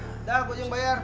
udah aku aja yang bayar